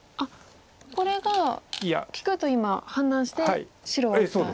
これが利くと今判断して白は打った。